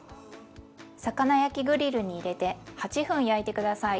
魚焼きグリルに入れて８分焼いて下さい。